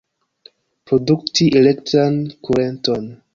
Produkti elektran kurenton.